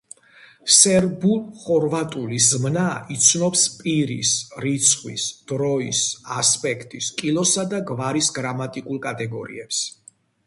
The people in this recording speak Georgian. სერბულ-ხორვატული ზმნა იცნობს პირის, რიცხვის, დროის, ასპექტის, კილოსა და გვარის გრამატიკულ კატეგორიებს.